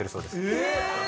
えっ！